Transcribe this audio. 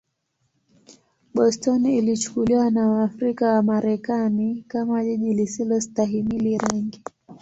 Boston ilichukuliwa na Waafrika-Wamarekani kama jiji lisilostahimili rangi.